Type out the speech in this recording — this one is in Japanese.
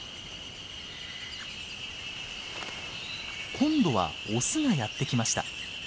今度はオスがやって来ました。